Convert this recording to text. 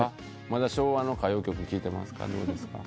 まだ昭和の歌謡曲聴いてます？